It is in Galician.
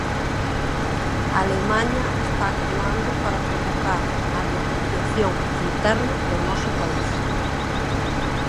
Alemaña está actuando para provocar a depreciación interna do noso país.